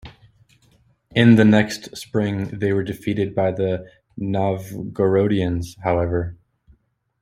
In the next spring they were defeated by the Novgorodians, however.